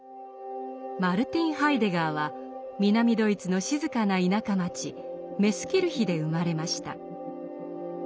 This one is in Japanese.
マルティン・ハイデガーは南ドイツの静かな田舎町メスキルヒで生まれました。